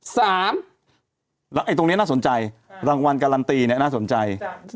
สามตรงเนี้ยน่าสนใจค่ะรางวัลการันตีเนี้ยน่าสนใจจ้ะ